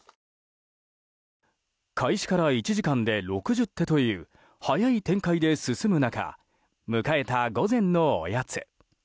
開始から１時間で６０手という速い展開で進む中迎えた午前のおやつ。